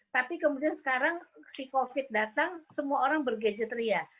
tapi kemudian sekarang si covid datang semua orang bergadgetria